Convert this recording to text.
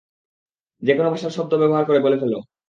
যেকোনো ভাষার শব্দ ব্যবহার করে বলে ফেলো।